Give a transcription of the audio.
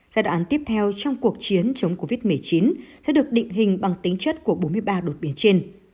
giai đoạn tiếp theo trong cuộc chiến chống covid một mươi chín sẽ được định hình bằng tính chất của bốn mươi ba đột biến trên